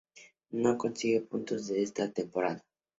No consigue puntos esta temporada.